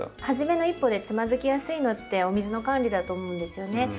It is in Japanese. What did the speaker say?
初めの一歩でつまずきやすいのってお水の管理だと思うんですよね。